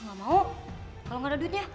gak mau kalo gak ada duitnya